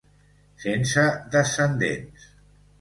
Sense descendents.